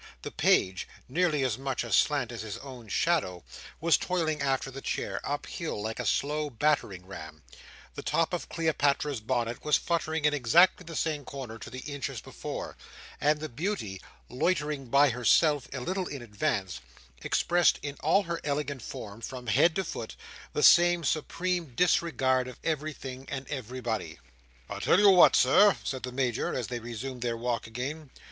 The Page, nearly as much aslant as his own shadow, was toiling after the chair, uphill, like a slow battering ram; the top of Cleopatra's bonnet was fluttering in exactly the same corner to the inch as before; and the Beauty, loitering by herself a little in advance, expressed in all her elegant form, from head to foot, the same supreme disregard of everything and everybody. "I tell you what, Sir," said the Major, as they resumed their walk again.